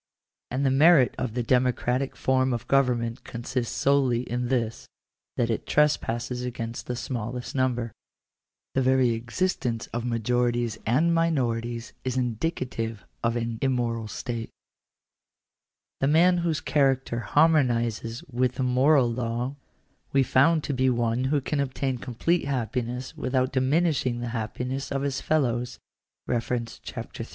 And the merit of the democratic form of government consists solely in this, that it trespasses against the smallest number. The very existence of majorities and minorities is indicative of an immoral state. The man whose character harmonizes Digitized by VjOOQIC THE RIGHT TO IGNORE THE STATE. 211 with the moral law, we found to be one who can obtain com plete happiness without diminishing the happiness of his fellows (Chap. III.).